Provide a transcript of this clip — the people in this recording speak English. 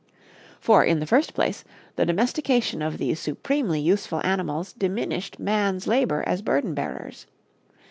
For, in the first place, the domestication of these supremely useful animals diminished man's labor as burden bearers.